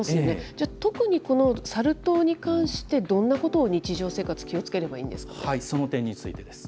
じゃあ、特にこのサル痘に関してどんなことを日常生活、気をつけその点についてです。